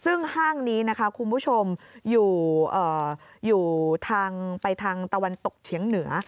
ซึ่งห้างนี้คุณผู้ชมอยู่ทางตะวันตกเฉียงเหนือ